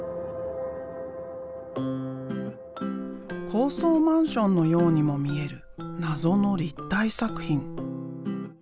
高層マンションのようにも見える謎の立体作品。